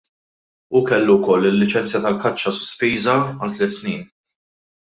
Hu kellu wkoll il-liċenzja tal-kaċċa sospiża għal tliet snin.